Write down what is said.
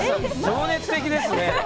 情熱的ですね。